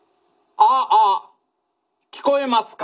ああ聞こえますか。